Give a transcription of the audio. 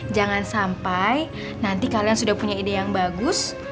jangan sampai nanti kalian sudah punya ide yang bagus